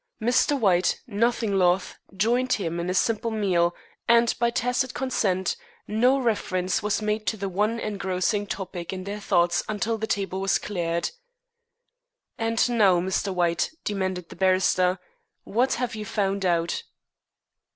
Mr. White, nothing loth, joined him in a simple meal, and by tacit consent no reference was made to the one engrossing topic in their thoughts until the table was cleared. "And now, Mr. White," demanded the barrister, "what have you found out?"